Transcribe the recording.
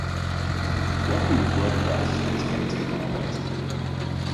Working with Wordpress is hectic now-a-days.